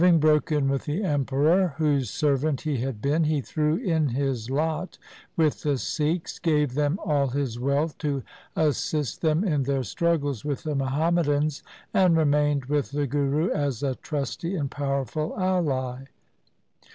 Having broken with the Emperor, whose servant he had been, he threw in his lot with the Sikhs, gave them all his wealth to assist them in their struggles with the Muhammadans, and remained with the Guru as a trusty and powerful ally.